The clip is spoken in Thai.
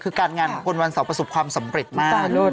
คือการงานคนวันเสาร์ประสบความสำเร็จมาก